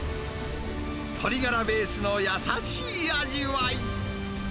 鶏がらベースの優しい味わい。